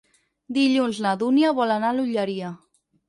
Dilluns na Dúnia vol anar a l'Olleria.